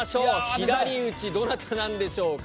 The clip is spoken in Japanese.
左打ちどなたなんでしょうか？